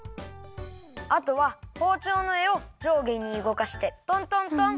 あとはほうちょうのえをじょうげにうごかしてトントントン。